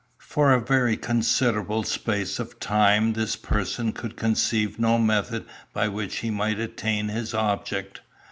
"For a very considerable space of time this person could conceive no method by which he might attain his object.